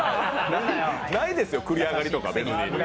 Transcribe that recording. ないですよ、繰り上がりとか別に。